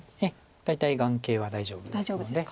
大体眼形は大丈夫ですので。